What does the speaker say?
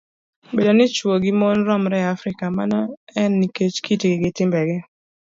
Bedo ni chwo gi mon romre e Afrika, mano en nikech kitgi gi timbegi